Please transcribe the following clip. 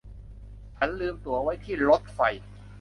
ฉันลืมตั๋วไว้ที่รถไฟ